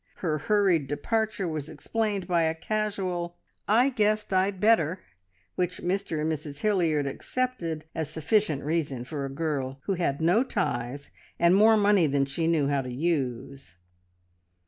Her hurried departure was explained by a casual "I guessed I'd better," which Mr and Mrs Hilliard accepted as sufficient reason for a girl who had no ties, and more money than she knew how to use.